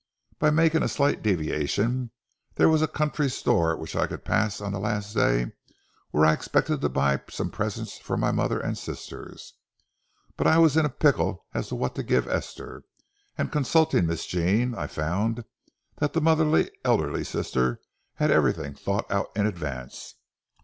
By making a slight deviation, there was a country store which I could pass on the last day, where I expected to buy some presents for my mother and sisters. But I was in a pickle as to what to give Esther, and on consulting Miss Jean, I found that motherly elder sister had everything thought out in advance.